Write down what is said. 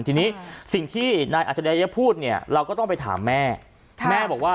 ทีนี้สิ่งที่นายอัชริยะพูดเนี่ยเราก็ต้องไปถามแม่แม่บอกว่า